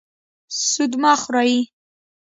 سود مه خورئ